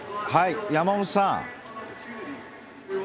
山本さん